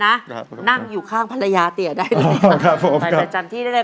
นะครับนั่งอยู่ข้างภรรยาเตี๋ยได้เลยครับผมใครจะจำที่ได้เลย